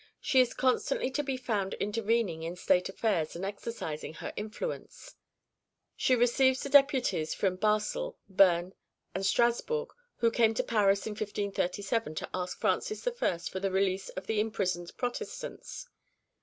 She is constantly to be found intervening in state affairs and exercising her influence. She receives the deputies from Basle, Berne, and Strasburg who came to Paris in 1537 to ask Francis I. for the release of the imprisoned Protestants.